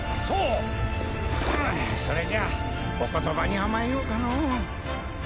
それじゃあお言葉に甘えようかのう。